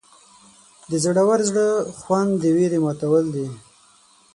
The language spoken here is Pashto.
د زړور زړه خوند د ویرې ماتول دي.